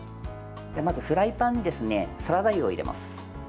まずフライパンにサラダ油を入れます。